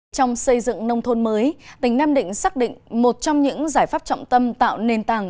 trong xây dựng nông thôn mới tỉnh nam định xác định một trong những giải pháp trọng tâm tạo nền tảng